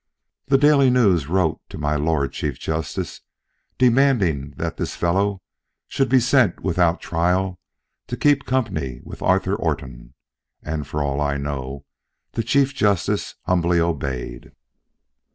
The Daily News wrote to my Lord Chief Justice demanding that this fellow should be sent without trial to keep company with Arthur Orton, and for all I know the Chief Justice humbly obeyed.